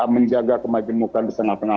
menjaga kemajemukan di tengah tengah